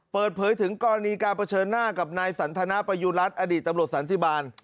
เปิดเผยถึงกรณีการเผชิญหน้ากับนายสันทนาประยุรัฐอดีตตำรวจสันติบาล